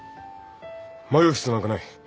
迷う必要なんかない。